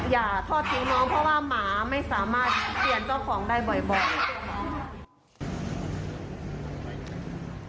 อย่าทอดทิ้งน้องเพราะว่าหมาไม่สามารถเปลี่ยนเจ้าของได้บ่อย